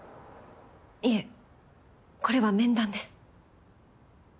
いえこれは面談です。